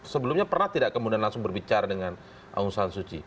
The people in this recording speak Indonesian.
sebelumnya pernah tidak kemudian langsung berbicara dengan aung san suu kyi